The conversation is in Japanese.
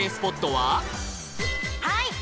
はい！